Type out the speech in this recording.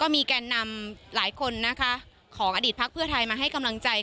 มีแก่นำหลายคนนะคะของอดีตพักเพื่อไทยมาให้กำลังใจ